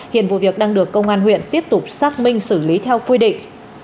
hiện vụ việc đang được công an huyện tiếp tục xác minh xử lý theo quy định